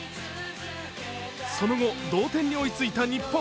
その後、同点に追いついた日本。